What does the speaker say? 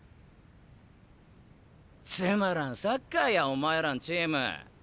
つまらんサッカーやお前らんチーム。